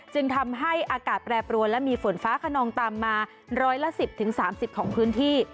จึงทำให้อากาศแปรปรวนและมีฝนฟ้าขนองตามมาร้อยละ๑๐๓๐ของพื้นที่